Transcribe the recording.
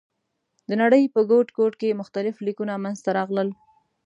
د نړۍ په ګوټ ګوټ کې مختلف لیکونه منځ ته راغلل.